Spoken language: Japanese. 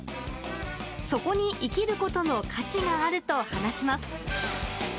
そこに生きることの価値があると話します。